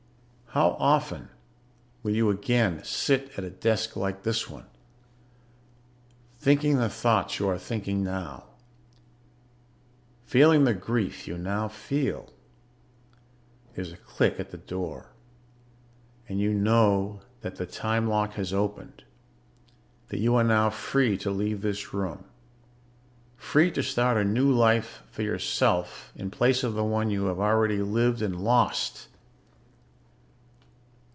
How often will you again sit at a desk like this one, thinking the thoughts you are thinking now, feeling the grief you now feel? There is a click at the door and you know that the time lock has opened, that you are now free to leave this room, free to start a new life for yourself in place of the one you have already lived and lost.